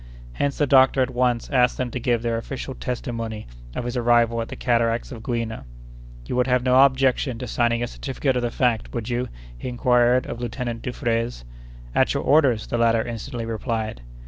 Hence the doctor at once asked them to give their official testimony of his arrival at the cataracts of Gouina. "You would have no objection to signing a certificate of the fact, would you?" he inquired of Lieutenant Dufraisse. "At your orders!" the latter instantly replied.